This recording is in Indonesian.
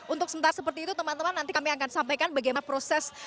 untuk sementara seperti itu teman teman nanti kami akan sampaikan bagaimana proses